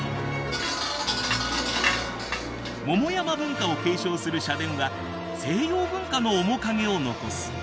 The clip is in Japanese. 桃山文化を継承する社殿は西洋文化の面影を残す。